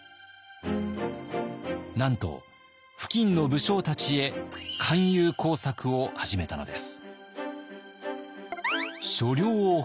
なんと付近の武将たちへ勧誘工作を始めたのです。